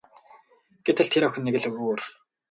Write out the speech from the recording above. Гэтэл тэр охин нэг л өөр.